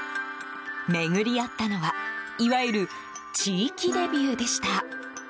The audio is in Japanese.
巡り合ったのはいわゆる、地域デビューでした。